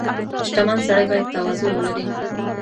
• شتمن سړی باید تواضع ولري.